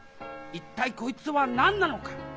一体こいつは何なのか？